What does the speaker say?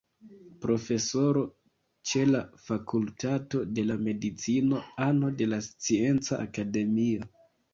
Profesoro ĉe la Fakultato de la Medicino, ano de la Scienca Akademio.